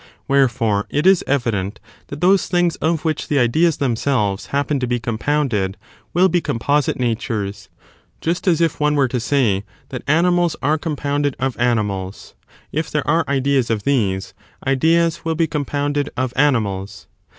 Wherefore, it is evident that those things of which the ideas themselves happen to be compounded will be composite natures, just as if one were to say that animals are compounded of animals ; if there are ideas of these, ideas mVL be compounded of animals.